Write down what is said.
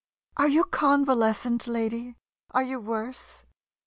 Are you convalescent, lady? Are you worse?